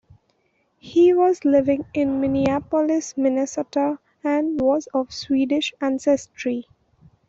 He was living in Minneapolis, Minnesota, and was of Swedish ancestry.